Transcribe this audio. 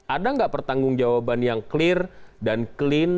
ada nggak pertanggung jawaban yang clear dan clean